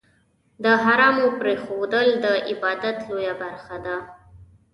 د حرامو پرېښودل، د عبادت لویه برخه ده.